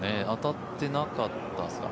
当たってなかった？